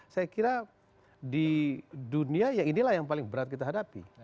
saya kira di dunia ya inilah yang paling berat kita hadapi